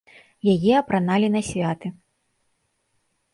Яе апраналі на святы.